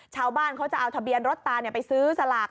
ชาวบ้านเขาจะเอาทะเบียนรถตาไปซื้อสลาก